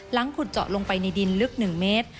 ขุดเจาะลงไปในดินลึก๑เมตร